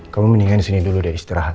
kamu mendingan disini dulu deh istirahat